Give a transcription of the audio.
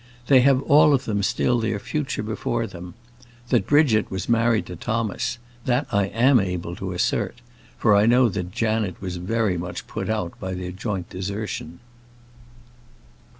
They have all of them still their future before them. That Bridget was married to Thomas that I am able to assert; for I know that Janet was much put out by their joint desertion.